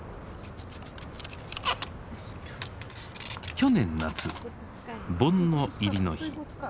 去年夏盆の入りの日。